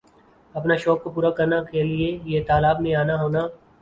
اپنا شوق کوپورا کرنا کا لئے یِہ تالاب میں آنا ہونا